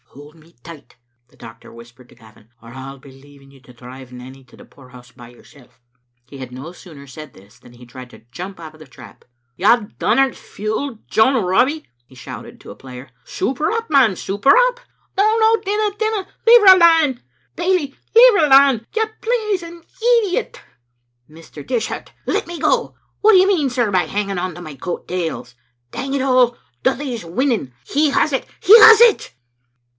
" Hold me tight," the doctor whispered to Gavin, " or I'll be leaving you to drive Nanny to the poorhouse by yourself." He had no sooner said this than he tried to jump out of the trap. "You donnert fule, John Robbie," he shouted to a player, "soop her up, man, soop her up; no, no, dinna, dinna; leave her alane. Bailie, leave her alane, you blazing idiot. Mr. Dishart, let me go; what do you mean, sir, by hanging on to my coat tails? Dang it all, Duthie's winning. He has it, he has it!"